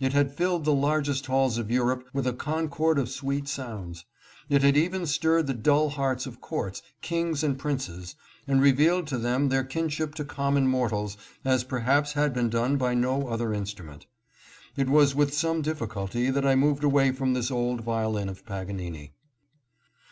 It had filled the largest halls of Europe with a concord of sweet sounds. It had even stirred the dull hearts of courts, kings and princes, and revealed to them their kinship to common mortals as perhaps had been done by no other instru ment. It was with some difficulty that I moved away from this old violin of Paginini.